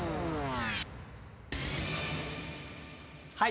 はい。